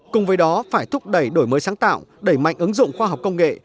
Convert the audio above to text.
cùng với đó phải thúc đẩy đổi mới sáng tạo đẩy mạnh ứng dụng khoa học công nghệ